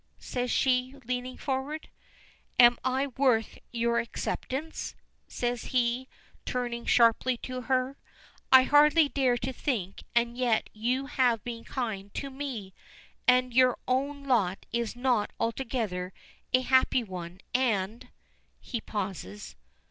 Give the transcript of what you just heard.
says she, leaning forward. "Am I worth your acceptance?" says he, turning sharply to her. "I hardly dare to think it, and yet you have been kind to me, and your own lot is not altogether a happy one, and " He pauses.